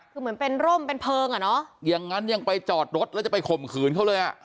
คือเหมือนเป็นร่มเป็นเพลิงอ่ะเนอะอย่างงั้นยังไปจอดรถแล้วจะไปข่มขืนเขาเลยอ่ะ